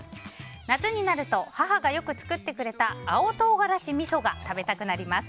夏になると母がよく作ってくれた青唐辛子みそが食べたくなります。